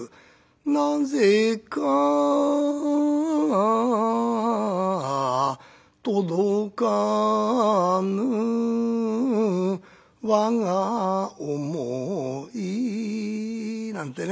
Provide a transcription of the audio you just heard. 「なぜか届かぬ我が思い」なんてね。